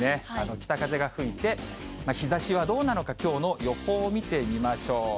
北風が吹いて、日ざしはどうなのか、きょうの予報を見てみましょう。